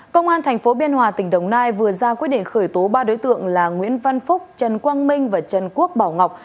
công an tp biên hòa tỉnh đồng nai vừa ra quyết định khởi tố ba đối tượng là nguyễn văn phúc trần quang minh và trần quốc bảo ngọc